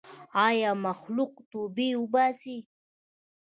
ای مخلوقه توبې وباسئ.